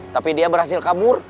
tapi dia berhasil kabur